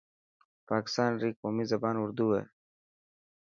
پاڪستان ري قومي زبان اردو هي.